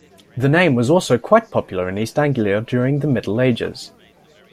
The name was also quite popular in East Anglia during the Middle Ages.